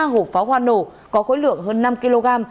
ba hộp pháo hoa nổ có khối lượng hơn năm kg